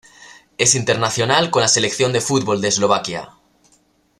Es internacional con la selección de fútbol de Eslovaquia.